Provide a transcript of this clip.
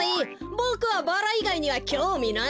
ボクはバラいがいにはきょうみないよ。